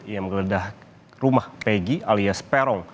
yang menggeledah rumah peggy alias perong